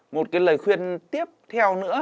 một cái lời khuyên tiếp theo nữa